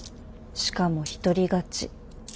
しかも一人勝ち。